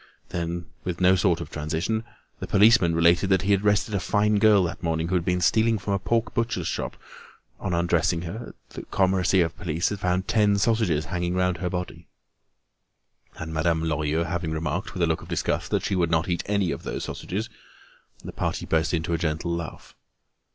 Then, with no sort of transition, the policeman related that he had arrested a fine girl that morning who had been stealing from a pork butcher's shop; on undressing her at the commissary of police's they had found ten sausages hanging round her body. And Madame Lorilleux having remarked, with a look of disgust, that she would not eat any of those sausages, the party burst into a gentle laugh.